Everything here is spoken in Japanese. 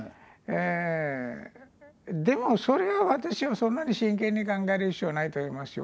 でもそれは私はそんなに真剣に考える必要はないと思いますよ。